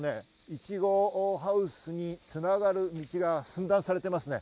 いちごハウスに繋がる道が寸断されてますね。